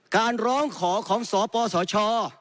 การร้องขอของสปสช